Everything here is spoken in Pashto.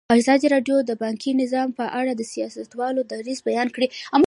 ازادي راډیو د بانکي نظام په اړه د سیاستوالو دریځ بیان کړی.